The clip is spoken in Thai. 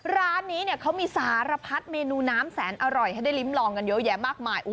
ร้านนี้เขามีสารพัดเมนูน้ำแสนอร่อยให้ได้ลิ้มลองกันเยอะแยะมากมาย